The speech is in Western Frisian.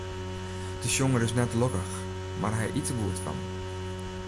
De sjonger is net lokkich, mar hy yt der goed fan.